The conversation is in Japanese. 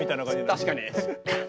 確かに。